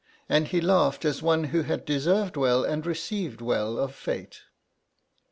And he laughed as one who had deserved well and received well of Fate.